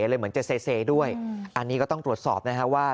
เลยเหมือนจะเซด้วยอันนี้ก็ต้องตรวจสอบนะฮะว่า